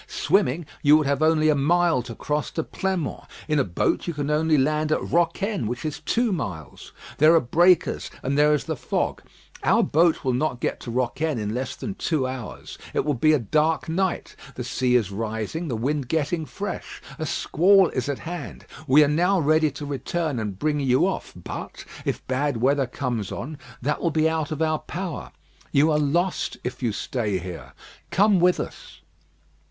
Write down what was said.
Swimming, you would have only a mile to cross to Pleinmont. In a boat you can only land at Rocquaine, which is two miles. There are breakers, and there is the fog. Our boat will not get to Rocquaine in less than two hours. It will be a dark night. The sea is rising the wind getting fresh. A squall is at hand. We are now ready to return and bring you off; but if bad weather comes on, that will be out of our power. You are lost if you stay there. Come with us."